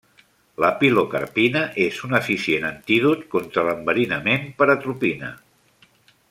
La pilocarpina és un eficient antídot contra l'enverinament per atropina.